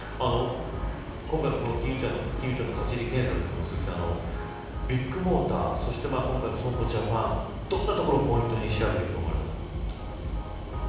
今回の金融庁の立ち入り検査ですがビッグモーター、そして今回の損保ジャパン、どんなところをポイントに調べていくと思いますか。